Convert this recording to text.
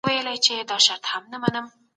دا پیغام باید په رښتیا سره عام سي.